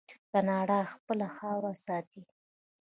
کاناډا خپله خاوره ساتي.